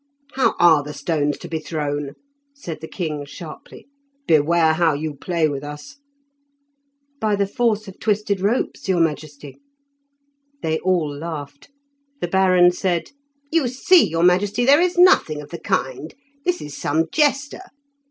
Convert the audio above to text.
"How are the stones to be thrown?" said the king sharply. "Beware how you play with us." "By the force of twisted ropes, your majesty." They all laughed. The Baron said: "You see, your majesty, there is nothing of the kind. This is some jester."